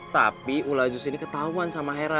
tapi ulah zeus ini ketahuan sama hera